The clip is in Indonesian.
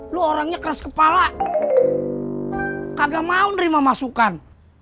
lo orangnya keras kepala kagak mau nerima masukan